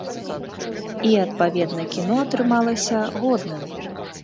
І, адпаведна, кіно атрымалася годным.